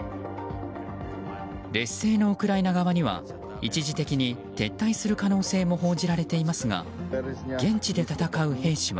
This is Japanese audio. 劣勢のウクライナ側には一時的に撤退する可能性も報じられていますが現地で戦う兵士は。